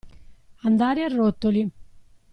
Andare a rotoli.